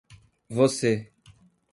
Você